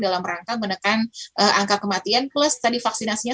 dalam rangka menekan angka kematian plus tadi vaksinasinya